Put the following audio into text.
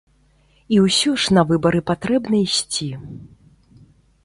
І ўсё ж на выбары патрэбна ісці.